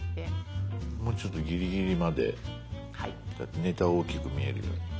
もうちょっとギリギリまでネタを大きく見えるように。